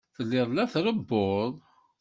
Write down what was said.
Telliḍ la d-trebbuḍ.